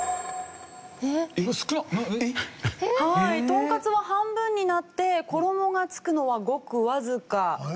とんかつは半分になって衣が付くのはごくわずか。